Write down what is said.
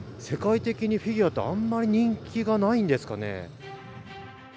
世界的にフィギュアってあんまり人気がないんですかね。